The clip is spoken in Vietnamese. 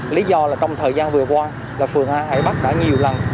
lý do là trong thời gian vừa qua là phường hai hải bắc đã nhiều lần